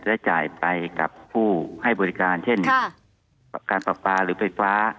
และจ่ายไปกับผู้ให้บริการเช่นการปรับปลาหรือไฟฟ้า